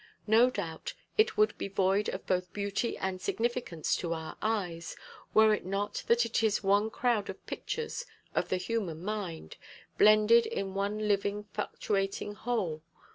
No doubt, it would be void of both beauty and significance to our eyes, were it not that it is one crowd of pictures of the human mind, blended in one living fluctuating whole.